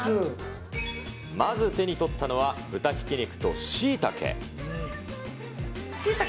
まず手に取ったのは豚ひき肉としいたけ。